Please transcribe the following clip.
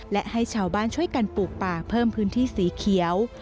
และให้ชาวบ้านช่วยกันปลูกป่าเพิ่มพื้นที่สีเขียว